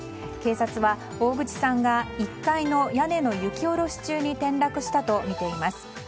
警察は大口さんが１階の屋根の雪下ろし中に転落したとみています。